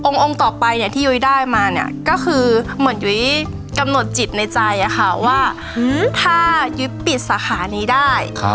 องค์ต่อไปเนี่ยที่ยุ้ยได้มาเนี่ยก็คือเหมือนยุ้ยกำหนดจิตในใจค่ะว่าถ้ายุ้ยปิดสาขานี้ได้